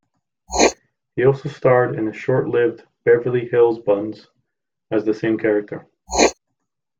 He also starred in the short-lived "Beverly Hills Buntz" as the same character.